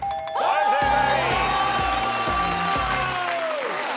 はい正解。